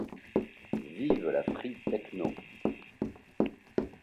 Vive la free tekno !